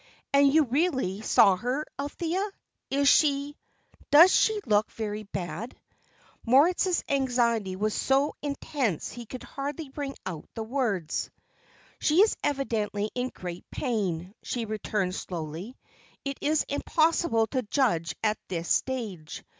And you really saw her, Althea? Is she does she look very bad?" Moritz's anxiety was so intense he could hardly bring out the words. "She is evidently in great pain," she returned, slowly. "It is impossible to judge at this stage.